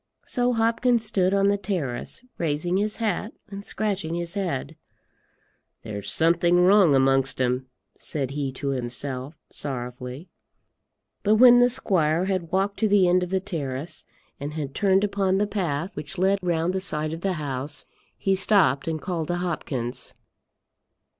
So Hopkins stood on the terrace, raising his hat and scratching his head. "There's something wrong amongst them," said he to himself, sorrowfully. But when the squire had walked to the end of the terrace and had turned upon the path which led round the side of the house, he stopped and called to Hopkins.